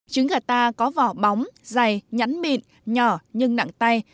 trứng gà ta có vỏ bóng dày nhắn mịn nhỏ nhưng nặng tay